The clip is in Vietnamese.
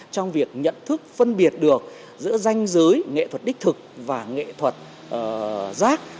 trong việc nhận thức phân biệt được giữa danh giới nghệ thuật đích thực và nghệ thuật rác